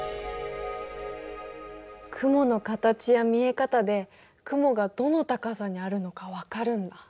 雲の形や見え方で雲がどの高さにあるのか分かるんだ。